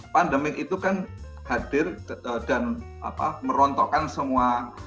pandemi itu kan hadir dan merontokkan semua